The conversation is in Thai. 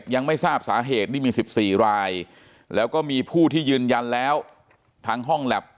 ยังไม่ทราบสาเหตุนี่มี๑๔รายแล้วก็มีผู้ที่ยืนยันแล้วทางห้องแล็บ